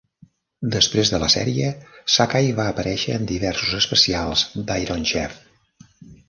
Després de la sèrie, Sakai va aparèixer en diversos especials d'"Iron Chef".